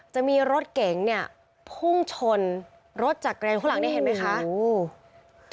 จะมีรถเก๋งเนี่ยพุ่งชนรถจากแกรนข้างหลังนี้เห็นไหมคะ